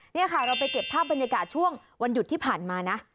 นี่ค่ะเราไปเก็บภาพบรรยากาศช่วงวันหยุดที่ผ่านมานะ